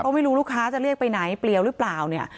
เพราะไม่รู้ลูกค้าจะเรียกไปไหนเปรียวหรือเปล่า